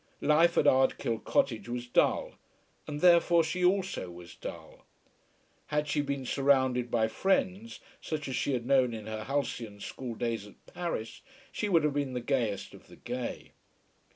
Life at Ardkill Cottage was dull, and therefore she also was dull. Had she been surrounded by friends, such as she had known in her halcyon school days at Paris, she would have been the gayest of the gay.